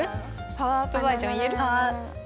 パワーアップバージョン。